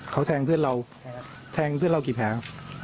เขาแทงเพื่อนเราแทงเพื่อนเรากี่แผลครับ